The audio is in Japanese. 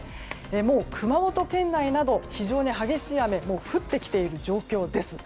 もう熊本県内など非常に激しい雨が降ってきている状況です。